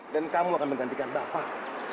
dan kamu akan menggantikan bapak